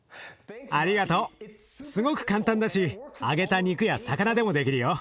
すごく簡単だし揚げた肉や魚でもできるよ。